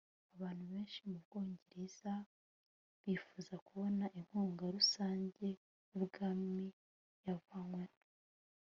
Abantu benshi mu Bwongereza bifuza kubona inkunga rusange yubwami yavanyweho